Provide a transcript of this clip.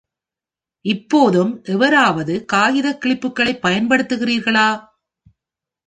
இப்போதும் எவராவது காகித கிளிப்புகளை பயன்படுத்துகிறீர்களா?